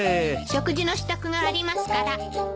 食事の支度がありますから。